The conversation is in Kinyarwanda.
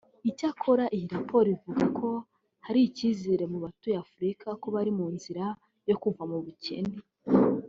Icyakora iyi raporo ivuga ko hari icyizere ku batuye Afurika ko bari mu nzira yo kuva mu bukene